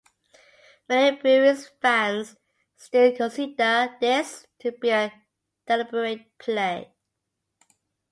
Many Bruins fans still consider this to be a deliberate play.